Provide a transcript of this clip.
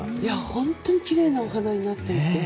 本当にきれいなお花になっていて。